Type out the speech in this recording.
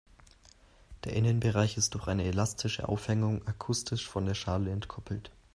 Der Innenbereich ist durch eine elastische Aufhängung akustisch von der Schale entkoppelt.